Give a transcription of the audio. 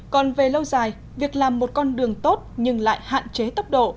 còn về lâu dài việc làm một con đường tốt nhưng lại hạn chế tốc độ